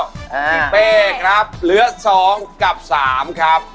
พี่เป้ครับเหลือ๒กับ๓ครับ